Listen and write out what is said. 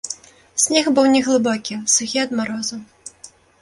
Снег быў не глыбокі, сухі ад марозу.